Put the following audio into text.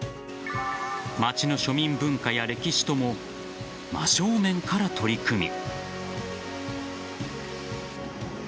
町の庶民文化や歴史とも真正面から取り組み。